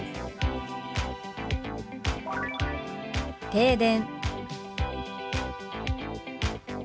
「停電」。